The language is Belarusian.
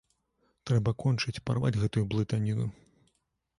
Трэба кончыць, парваць гэтую блытаніну.